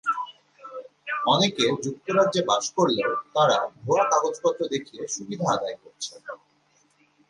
অনেকে যুক্তরাজ্যে বাস করলেও তাঁরা ভুয়া কাগজপত্র দেখিয়ে সুবিধা আদায় করছেন।